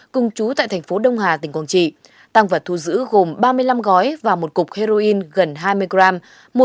cùng chú tại thành phố đông hà tỉnh quảng trị tăng vật thu giữ gồm ba mươi năm gói và một cục heroin gần hai mươi gram